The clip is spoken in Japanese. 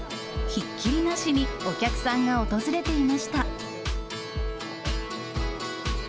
ひっきりなしにお客さんが訪れていました。